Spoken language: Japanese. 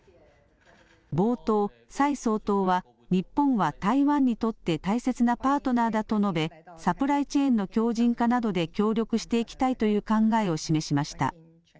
冒頭、蔡総統は日本は台湾にとって大切なパートナーだと述べ、サプライチェーンの強じん化などで協力していきたいという考えを示しました。